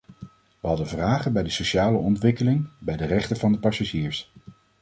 We hadden vragen bij de sociale ontwikkeling, bij de rechten van de passagiers.